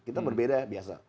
kita berbeda biasa